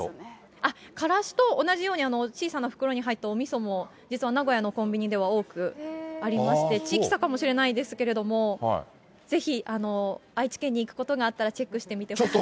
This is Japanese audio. あっ、からしと同じように、小さな袋に入ったおみそも実は名古屋のコンビニでは多くありまして、地域差かもしれないんですけれども、ぜひ、愛知県に行くことがあったらチェックしてみてください。